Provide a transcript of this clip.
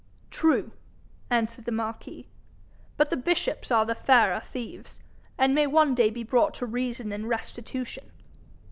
'True,' answered the marquis; 'but the bishops are the fairer thieves, and may one day be brought to reason and restitution.'